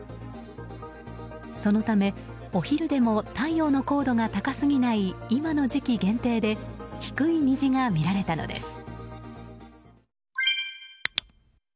そのため、お昼でも太陽の高度が高すぎない今の時期限定で低い虹が見られたのです。